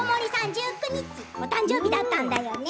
１９日お誕生日だったんですよね。